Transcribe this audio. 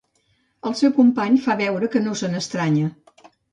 El seu company fa veure que no se n'estranya.